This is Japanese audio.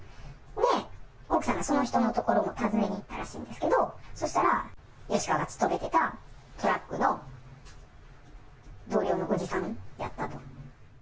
で、奥さんがその人の所に訪ねに行ったらしいんですけど、そうしたら、吉川が勤めてたトラックの同僚のおじさんやったと。